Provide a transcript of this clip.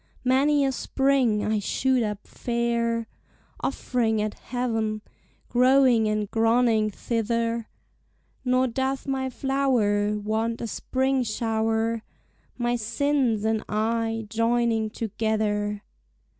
Many a spring I shoot up fair, Off'ring at heav'n, growing and groning thither; Nor doth my flower Want a spring showre, My sinnes and I joining together.